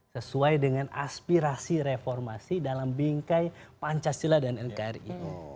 sesuai dengan aspirasi reformasi dalam bingkai pancasila dan nkri